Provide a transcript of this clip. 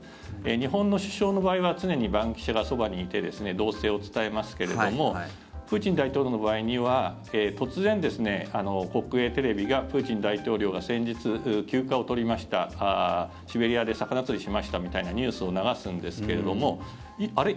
日本の首相の場合は常に番記者がそばにいて動静を伝えますけれどもプーチン大統領の場合には突然、国営テレビがプーチン大統領が先日、休暇を取りましたシベリアで魚釣りしましたみたいなニュースを流すんですけれどもあれ？